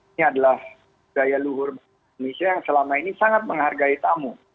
ini adalah gaya luhur indonesia yang selama ini sangat menghargai tamu